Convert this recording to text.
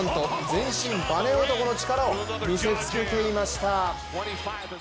全身バネ男の力を見せつけていました。